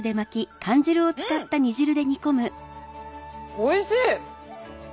おいしい！